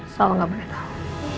sal tidak boleh tahu